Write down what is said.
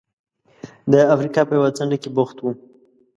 د افریقا په یوه څنډه کې بوخت و.